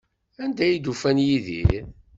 Anda ay d-ufan Yidir?